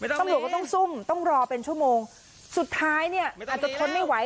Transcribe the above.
ตำรวจก็ต้องซุ่มต้องรอเป็นชั่วโมงสุดท้ายเนี่ยอาจจะทนไม่ไหว